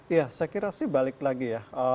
ya saya kira sih balik lagi ya